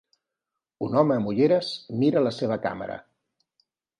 Un home amb ulleres mira la seva càmera.